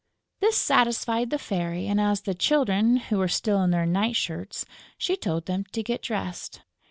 This satisfied the Fairy; and, as the Children were still in their night shirts, she told them to get dressed.